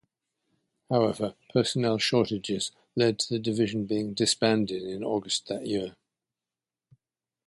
However, personnel shortages led to the division being disbanded in August that year.